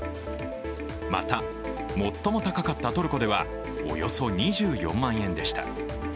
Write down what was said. また、最も高かったトルコではおよそ２４万円でした。